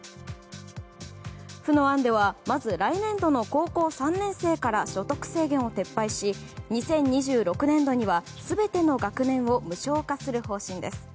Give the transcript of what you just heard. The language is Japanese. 府の案では、まず来年度の高校３年生から所得制限を撤廃し２０２６年度には全ての学年を無償化する方針です。